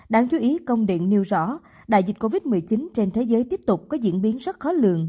đáng chú ý công điện nêu rõ đại dịch covid một mươi chín trên thế giới tiếp tục có diễn biến rất khó lường